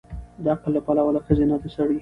د عقل له پلوه له ښځې نه د سړي